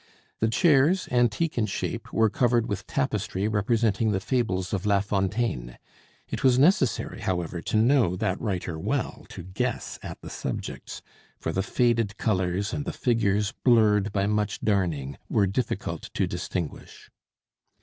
The chairs, antique in shape, were covered with tapestry representing the fables of La Fontaine; it was necessary, however, to know that writer well to guess at the subjects, for the faded colors and the figures, blurred by much darning, were difficult to distinguish.